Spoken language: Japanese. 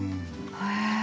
へえ。